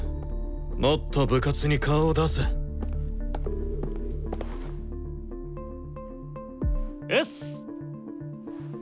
もっと部活に顔を出せ。うす！